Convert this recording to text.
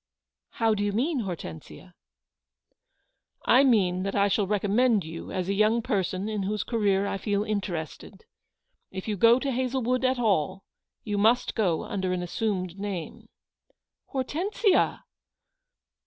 u How do you mean, Hortensia V " 1 mean that I shall recommend you as a young person in whose career I feel interested. If you go to Hazlewood at all, you must go under an assumed name." " Hortensia